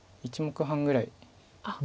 １目半ぐらい。